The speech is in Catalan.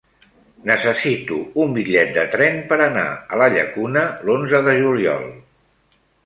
Necessito un bitllet de tren per anar a la Llacuna l'onze de juliol.